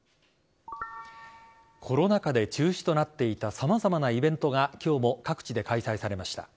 コロナ禍で中止となっていた様々なイベントが今日も各地で開催されました。